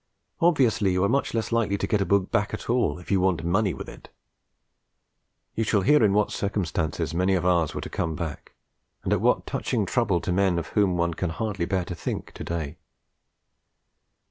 Obviously you are much less likely to get a book back at all if you want more money with it. You shall hear in what circumstances many of ours were to come back, and at what touching trouble to men of whom one can hardly bear to think to day.